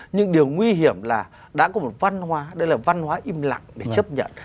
nhưng điều nguy hiểm là đã có một văn hóa đây là văn hóa im lặng để chấp nhận